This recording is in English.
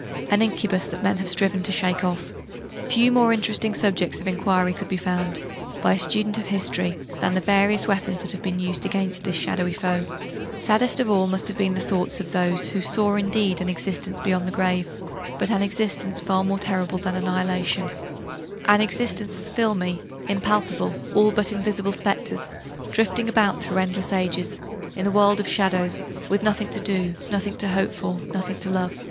an incubus that men have striven to shake off. Few more interesting subjects of enquiry could be found, by a student of history, than the various weapons that have been used against this shadowy foe. Saddest of all must have been the thoughts of those who saw indeed an existence beyond the grave, but an existence far more terrible than annihilation an existence as filmy, impalpable, all but invisible spectres, drifting about, through endless ages, in a world of shadows, with nothing to do, nothing to hope for, nothing to love!